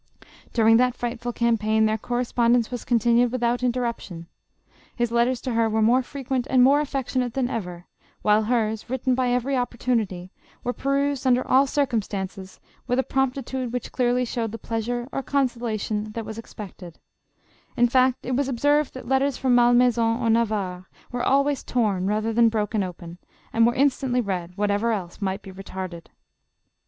During that frightful campaign their correspondence was continued without interruption. " His letters to her, were more frequent and more af fectionate than ever, while hers, written by every op portunity, were perused under all circumstances with a promptitude Which clearly showed the pleasure or the consolation that was expected ; in fact it was ob served that letters from Malmaison or Navarre were always torn, rather than broken open, and were in stantly read, whatever else might be retarded."